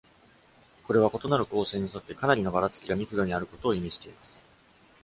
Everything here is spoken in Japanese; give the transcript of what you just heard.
これは、異なる光線に沿ってかなりのばらつきが密度にあることを意味しています。